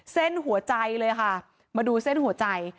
เส้นหัวใจเลยค่ะมาดูเส้นหัวใจ